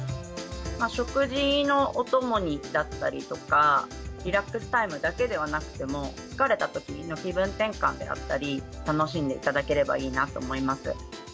食事のお供にだったりとか、リラックスタイムだけではなくても、疲れたときの気分転換であったり、楽しんでいただければいいなと思います。